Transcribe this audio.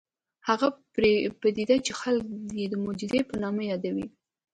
هغه پدیده چې خلک یې د معجزې په نامه یادوي